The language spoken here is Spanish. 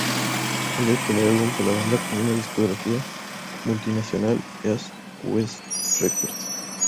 Es el primer álbum de la banda con una discográfica multinacional, Eastwest Records.